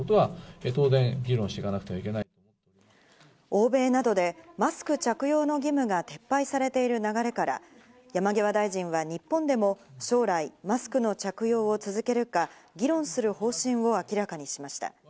欧米などでマスク着用の義務が撤廃されている流れから、山際大臣は日本でも将来、マスクの着用を続けるか議論する方針を明らかにしました。